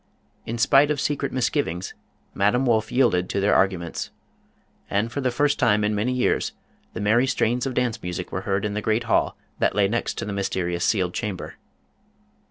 In spite of secret misgivings Madame Wolff yielded to their argu ments. And for the first time in many years the merry strains of dance music were heard in the great hall that lay next the mysterious sealed chamber.